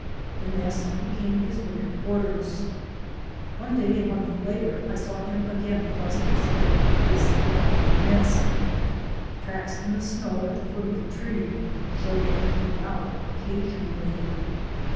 The nest became his winter quarters. One day a month later I saw him again thrust his head from this adopted nest. Tracks in the snow at the foot of the tree showed that he came out occasionally.